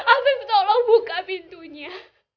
afif tolong buka pintunya